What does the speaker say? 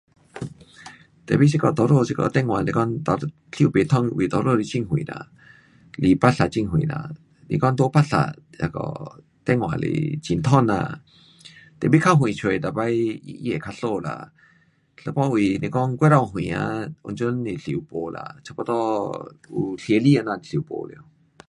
Tapi 这个多数这个电话是讲多，收不通的位多数是很远啦。离芭莎很远啦，是讲在芭莎那个电话还是很通啦。tapi 较远出每次它会较输啦。有半位是讲过头远啊，完全是收没啦，差不多有十厘这样收没。